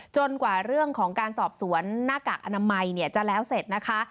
กว่าเรื่องของการสอบสวนหน้ากากอนามัยจะแล้วเสร็จนะคะ